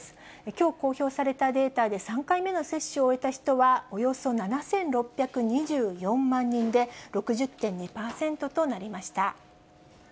きょう公表されたデータで、３回目の接種を終えた人はおよそ７６２４万人で、６０．２％となりました。